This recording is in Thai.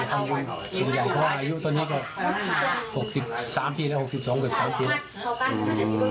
ธุรกิจอยู่ตอนนี้๖๓ปีแล้วตลอด๖๒ปีแล้ว